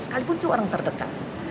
sekalipun itu orang terdekat